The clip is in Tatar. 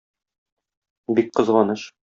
Бик кызганыч.